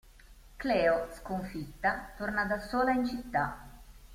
Cleo, sconfitta, torna da sola in città.